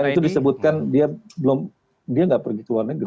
dan itu disebutkan dia belum dia nggak pergi ke luar negeri